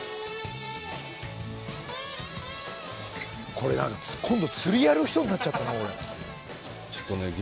これなんか今度釣りやる人になっちゃったな俺。